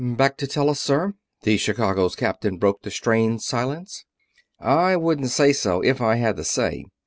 "Back to Tellus, sir?" The Chicago's captain broke the strained silence. "I wouldn't say so, if I had the say."